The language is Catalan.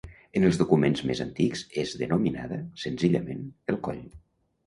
En els documents més antics és denominada, senzillament, el Coll.